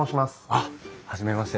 あっ初めまして。